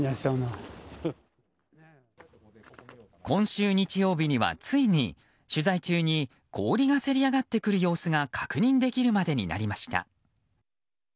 今週日曜日にはついに取材中に氷がせり上がってくる様子が確認できるまでになりました。